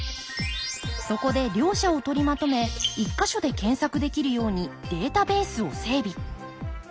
そこで両者を取りまとめ１か所で検索できるようにデータベースを整備。